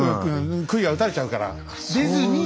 くいは打たれちゃうから出ずに。